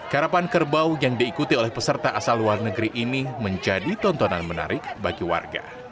karapan kerbau yang diikuti oleh peserta asal luar negeri ini menjadi tontonan menarik bagi warga